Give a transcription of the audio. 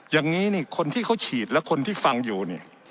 อย่างนี้นี่คนที่เขาฉีดและคนที่ฟังอยู่นี่